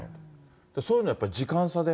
そういうのはやっぱり時間差で。